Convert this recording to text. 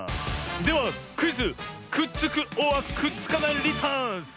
ではクイズ「くっつくｏｒくっつかないリターンズ」！